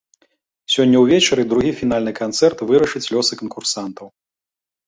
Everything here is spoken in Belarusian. Сёння ўвечары другі фінальны канцэрт вырашыць лёсы канкурсантаў.